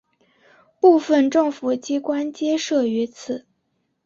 部分政府机关皆设于此。